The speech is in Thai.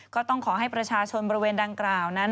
ก็ต้องขอให้ประชาชนบริเวณดังกล่าวนั้น